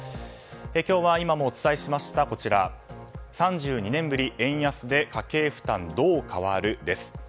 今日は今もお伝えしました３２年ぶり円安で家計負担どう変わる？です。